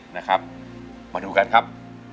มาดูกันนะครับ